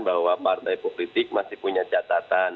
bahwa partai politik masih punya catatan